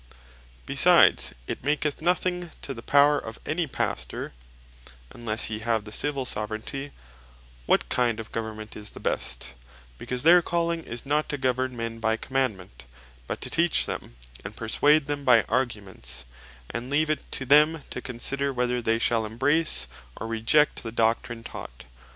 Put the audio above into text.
Besides, it maketh nothing to the Power of any Pastor, (unlesse he have the Civill Soveraignty,) what kind of Government is the best; because their Calling is not to govern men by Commandement, but to teach them, and perswade them by Arguments, and leave it to them to consider, whether they shall embrace, or reject the Doctrine taught.